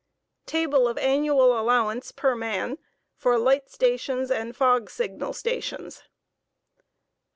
Table of annual allowance per man far light stations and fog signal stations.